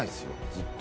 ずっと。